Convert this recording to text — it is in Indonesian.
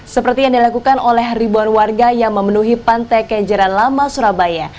seperti yang dilakukan oleh ribuan warga yang memenuhi pantai kenjeran lama surabaya